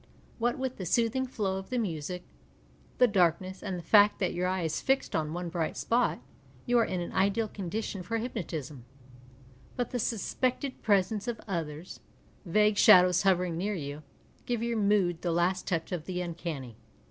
What with the soothing How of the nmsic, the darkness, and the fact that your eye is fixed on one bright spot, you are in the ideal condition for hypnotism, lint the suspected presence of others, vague shadows hovering near you, give your mood the last touch of the imeanny.